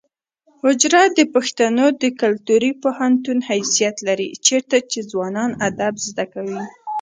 حجره د پښتنو د کلتوري پوهنتون حیثیت لري چیرته چې ځوانان ادب زده کوي.